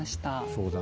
そうだね。